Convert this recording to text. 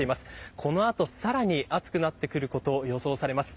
この後さらに暑くなってくることが予想されます。